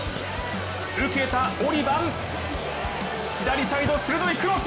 受けたオリバン、左サイド、鋭いクロス